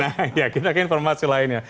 nah ya kita ke informasi lainnya